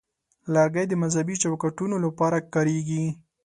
لرګی د مذهبي چوکاټونو لپاره کارېږي.